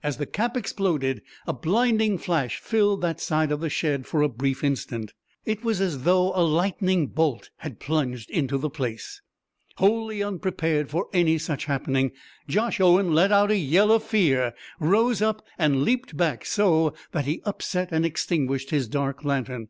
As the cap exploded, a blinding flash filled that side of the shed for a brief instant. It was as through a lightning bolt had plunged into the place. Wholly unprepared for any such happening, Josh Owen let out a yell of fear, rose up and leaped back so that he upset and extinguished his dark lantern.